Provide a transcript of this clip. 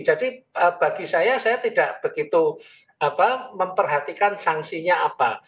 jadi bagi saya saya tidak begitu memperhatikan sanksinya apa